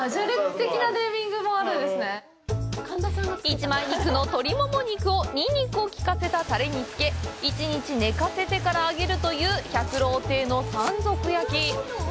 一枚肉の鶏もも肉をニンニクをきかせたタレにつけ１日寝かせてから揚げるという百老亭の山賊焼。